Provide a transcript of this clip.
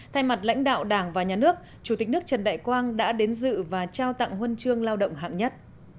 thay mặt lãnh đạo đảng và nhà nước chủ tịch nước trần đại quang đã đến dự và trao tặng huân chương lao động hạng nhất